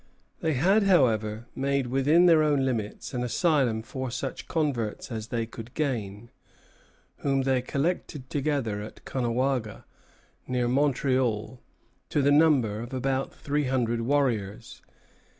They had, however, made within their own limits an asylum for such converts as they could gain, whom they collected together at Caughnawaga, near Montreal, to the number of about three hundred warriors.